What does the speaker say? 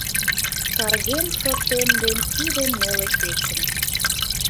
Каргем шотем ден тиде неле кечым.